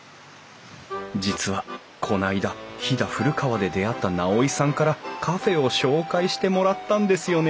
実はこないだ飛騨古川で出会った直井さんからカフェを紹介してもらったんですよね